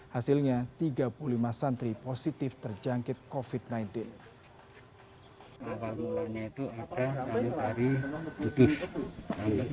hasilnya tiga puluh lima santri positif tergantung